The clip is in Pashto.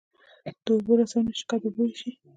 د اوبو رسونې شرکت اوبه ویشي